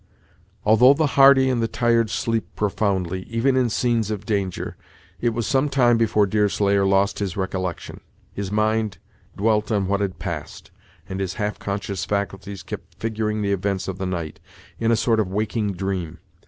Although the hardy and the tired sleep profoundly, even in scenes of danger, it was some time before Deerslayer lost his recollection. His mind dwelt on what had passed, and his half conscious faculties kept figuring the events of the night, in a sort of waking dream.